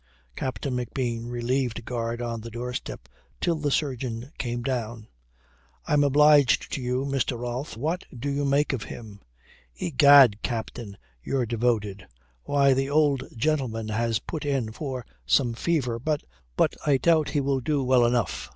Captain McBean relieved guard on the doorstep till the surgeon came down. "I'm obliged to you, Mr. Rolfe. What do you make of him?" "Egad, Captain, you're devoted. Why, the old gentleman has put in for some fever, but I doubt he will do well enough."